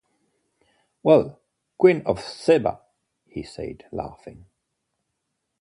“Well, Queen of Sheba!” he said, laughing.